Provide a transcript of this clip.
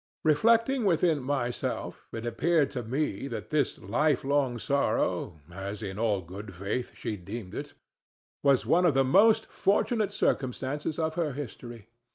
Reflecting within myself, it appeared to me that this lifelong sorrow—as, in all good faith, she deemed it—was one of the most fortunate circumstances of her history.